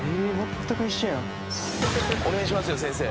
お願いしますよ先生。